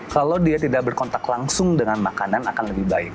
kalau dia tidak berkontak langsung dengan makanan akan lebih baik